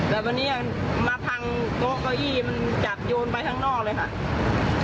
แต่วันนี้มาพังโต๊ะเก้าอี้มันจับโยนไปข้างนอกเลยค่ะ